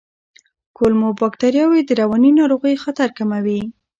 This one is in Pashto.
کولمو بکتریاوې د رواني ناروغیو خطر کموي.